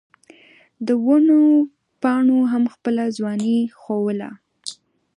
د ونو پاڼو هم خپله ځواني ښووله.